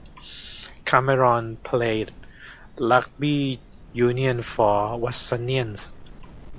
Cameron played rugby union for Watsonians.